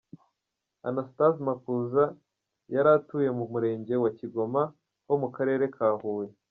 Anastase Makuza yari atuye mu Murenge wa Kigoma ho mu Karere ka Huye.